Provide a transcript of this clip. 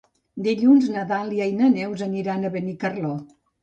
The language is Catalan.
Dilluns na Dàlia i na Neus aniran a Benicarló.